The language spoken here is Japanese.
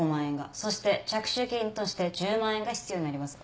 そして着手金として１０万円が必要になりますが？